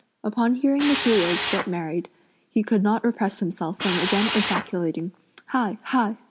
Upon hearing the two words "get married," he could not repress himself from again ejaculating: "Hai hai!"